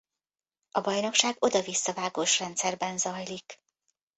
A bajnokság oda-visszavágós rendszerben zajlik.